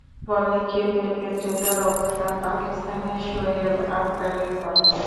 বল নিক্ষেপের ক্ষেত্রে তার অবস্থান পাকিস্তানের শোয়েব আখতারের পর।